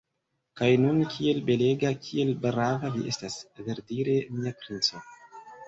Kaj nun kiel belega, kiel brava vi estas, verdire, mia princo!